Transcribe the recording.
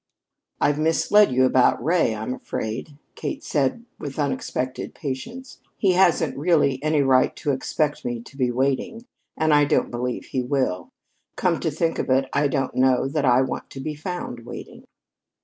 "I've misled you about Ray, I'm afraid," Kate said with unexpected patience. "He hasn't really any right to expect me to be waiting, and I don't believe he will. Come to think of it, I don't know that I want to be found waiting."